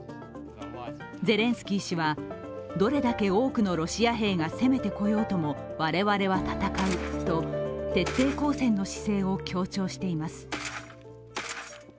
ゼレンスキー氏は、どれだけ多くのロシア兵が攻めてこようとも我々は戦うと徹底抗戦の姿勢を強調しています。